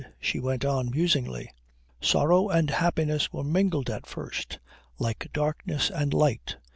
She went on musingly. "Sorrow and happiness were mingled at first like darkness and light.